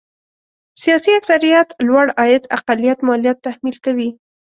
سیاسي اکثريت لوړ عاید اقلیت ماليات تحمیل کوي.